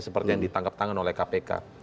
seperti yang ditangkap tangan oleh kpk